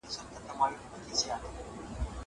دولت باید کورنیو پانګوالو ته لومړیتوب ورکړي.